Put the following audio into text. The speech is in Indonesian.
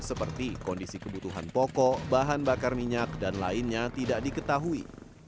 seperti kondisi kebutuhan pokok bahan bakar minyak dan lainnya tidak diketahui